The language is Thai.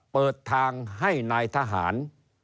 เปิดทางให้นายทหาร